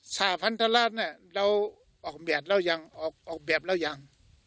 สาพันธรรมนั้นเราออกแบบแล้วยัง